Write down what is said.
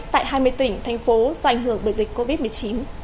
tại hai mươi tỉnh thành phố do ảnh hưởng bởi dịch covid một mươi chín